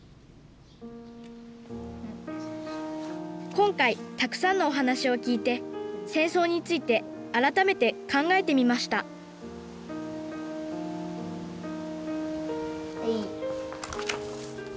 今回たくさんのお話を聞いて戦争について改めて考えてみましたはい。